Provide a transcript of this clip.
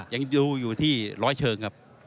ยังดูอยู่ที่ร้อยเชิงครับ